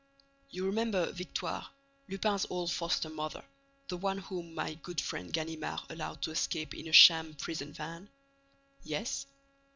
"You remember Victoire, Lupin's old foster mother, the one whom my good friend Ganimard allowed to escape in a sham prison van?" "Yes."